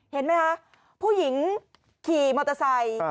เห็นไหมคะผู้หญิงขี่มอเตอร์ไซค์